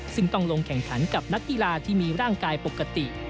ซึ่งต้องลงแข่งขันกับนักกีฬาที่มีร่างกายปกติ